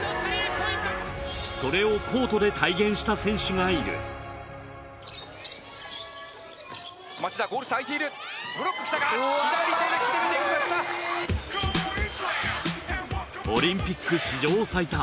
それをコートで体現した選手がいるオリンピック史上最多。